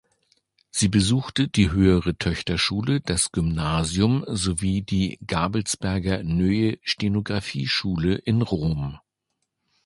Sie besuchte die Höhere Töchterschule, das Gymnasium sowie die Gabelsberger-Nöe-Stenographieschule in Rom.